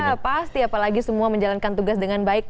ya pasti apalagi semua menjalankan tugas dengan baik